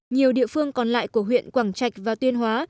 nhiều địa phương còn lại của huyện quảng trạch và tuyên hóa